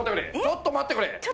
ちょっと待ってくれ。